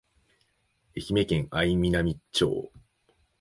愛媛県愛南町